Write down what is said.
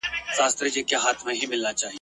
له زده کړو د نجونو محرومیت ستر زیان دئ.